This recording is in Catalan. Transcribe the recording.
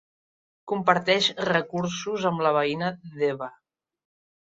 Comparteix recursos amb la veïna Deba.